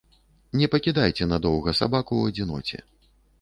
Не пакідайце надоўга сабаку ў адзіноце.